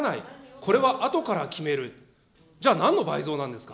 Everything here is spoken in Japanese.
これはあとから決める、じゃあ、なんの倍増なんですか。